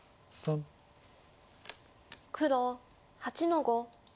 黒８の五。